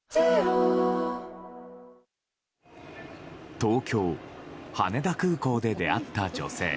東京・羽田空港で出会った女性。